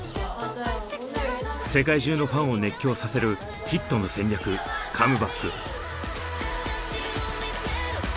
世界中のファンを熱狂させるヒットの戦略カムバック。